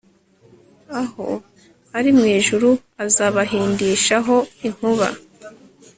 aho ari mu ijuru azabahindishaho inkuba